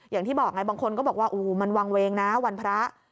อย่างที่บอกไงบางคนก็บอกว่าโอ้โหมันวางเวงนะวันพระ